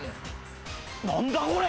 何だ⁉これ！